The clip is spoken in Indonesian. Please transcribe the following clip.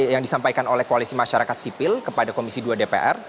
yang disampaikan oleh koalisi masyarakat sipil kepada komisi dua dpr